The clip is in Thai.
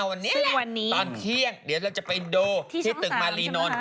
วันนี้ตอนเที่ยงเดี๋ยวเราจะไปดูที่ตึกมารีนนท์